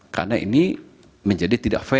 karena ini menjadi tidak fasil